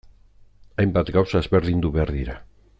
Hainbat gauza ezberdindu behar dira.